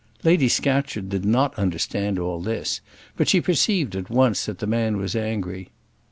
Lady Scatcherd did not understand all this; but she perceived at once that the man was angry.